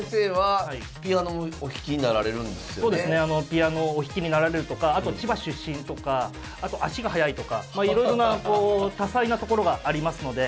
ピアノをお弾きになられるとかあと千葉出身とかあと足が速いとかまあいろいろな多才なところがありますので。